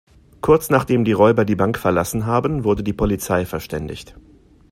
Kurz, nachdem die Räuber die Bank verlassen haben, wurde die Polizei verständigt.